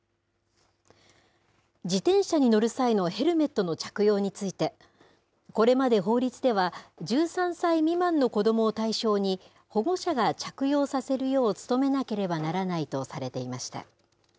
自転車に乗る際のヘルメットの着用について、これまで法律では、１３歳未満の子どもを対象に、保護者が着用させるよう努めなければならないとされていました。